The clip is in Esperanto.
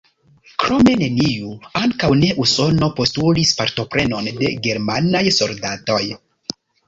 Krome neniu, ankaŭ ne Usono, postulis partoprenon de germanaj soldatoj.